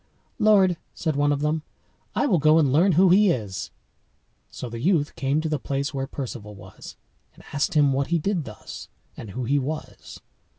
"Lord," said one of them, "I will go and learn who he is." So the youth came to the place where Perceval was, and asked him what he did thus, and who he was.